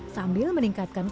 sambil meningkatkan kekuatan